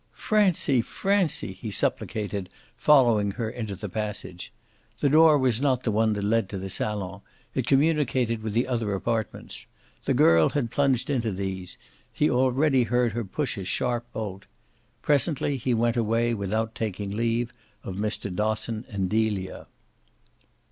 "Francie, Francie!" he supplicated, following her into the passage. The door was not the one that led to the salon; it communicated with the other apartments. The girl had plunged into these he already heard her push a sharp bolt. Presently he went away without taking leave of Mr. Dosson and Delia.